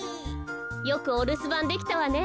よくおるすばんできたわね。